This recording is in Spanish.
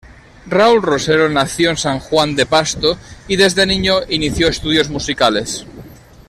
Raul Rosero nació en San Juan de Pasto y desde niño inició estudios musicales.